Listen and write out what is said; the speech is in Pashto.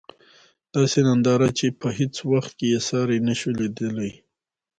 داسې ننداره چې په هیڅ وخت کې یې ساری نشو لېدلی.